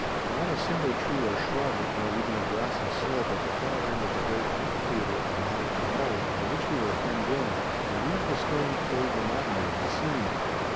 Not a single tree or shrub, nor even a grassy slope at the far end of the great amphitheatre of mountain walls by which we were hemmed in, relieved the stern, cold monotony of the scene.